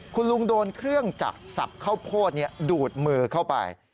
คุณลุงโดนเครื่องจักรสับข้าวโพดดูดมือเข้าไป